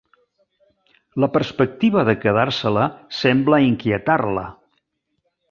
La perspectiva de quedar-se-la sembla inquietar-la.